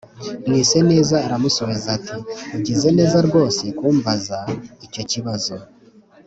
Mwiseneza aramusubiza ati: “Ugize neza rwose kumbaza icyo kibazo.